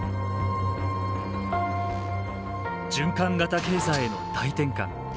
循環型経済への大転換。